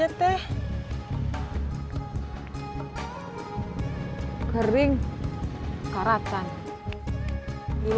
untungnya kevengers disini